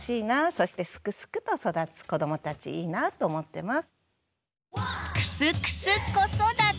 そしてすくすくと育つ子どもたちいいなと思ってます。